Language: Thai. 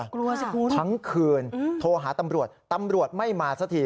กลัวสิคุณทั้งคืนโทรหาตำรวจตำรวจไม่มาสักที